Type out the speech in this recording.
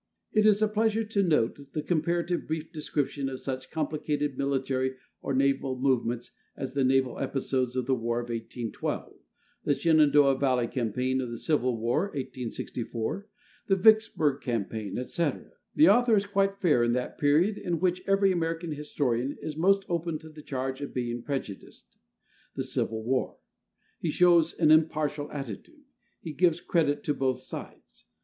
It is a pleasure to note the comparative brief description of such complicated military or naval movements as the naval episodes of the War of 1812, the Shenandoah Valley campaign of the Civil War (1864), the Vicksburg campaign, &c. The author is quite fair in that period in which every American historian is most open to the charge of being prejudiced, the Civil War. He shows an impartial attitude; he gives credit to both sides.